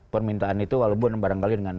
permintaan itu walaupun barangkali dengan